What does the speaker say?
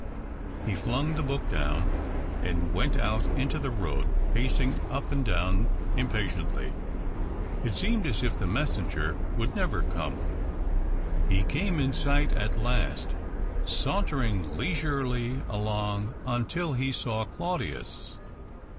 He flung the book down and went out into the road, pacing up and down impatiently. It seemed as if the messenger would never come. He came in sight at last, sauntering leisurely along until he saw Claudius.